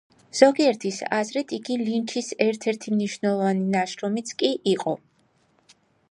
ზოგიერთის აზრით, იგი ლინჩის ერთ-ერთი მნიშვნელოვანი ნაშრომიც კი იყო.